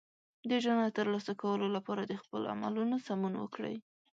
د جنت ترلاسه کولو لپاره د خپل عملونو سمون وکړئ.